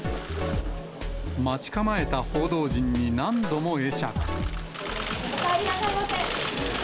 待ち構えた報道陣に何度も会釈。